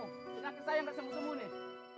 dengan kesayangan tak sembuh sembuh nih